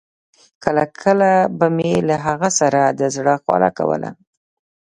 کله کله به مې له هغه سره د زړه خواله کوله.